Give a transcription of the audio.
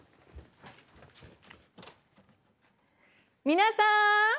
皆さん！